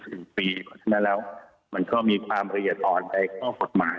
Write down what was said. เพราะฉะนั้นแล้วมันก็มีความละเอียดอ่อนในข้อกฎหมาย